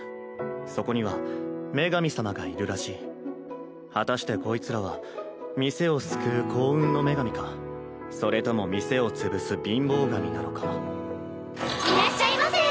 そこには女神様がいるらしい果たしてこいつらは店を救う幸運の女神かそれとも店を潰す貧乏神なのかいらっしゃいませ！